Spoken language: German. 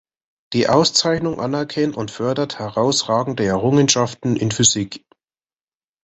Die Auszeichnung anerkennt und fördert herausragende Errungenschaften in Physik.